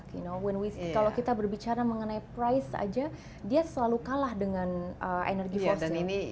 you know when we kalau kita berbicara mengenai price aja dia selalu kalah dengan energy for life